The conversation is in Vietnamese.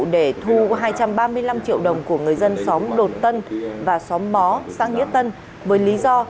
để thu hai trăm ba mươi năm triệu đồng của người dân xóm đột tân và xóm mó xã nghĩa tân với lý do